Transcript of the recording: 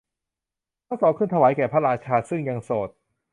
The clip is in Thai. ทั้งสองขึ้นถวายแก่พระราชาซึ่งยังโสด